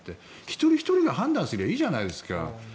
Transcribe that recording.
一人ひとりが判断すればいいじゃないですか。